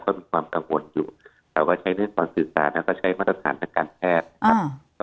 ก็มีความกังวลอยู่แต่ว่าใช้ในตอนสื่อสารแล้วก็ใช้มาตรฐานทางการแพทย์นะครับ